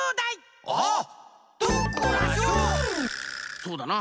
そうだな！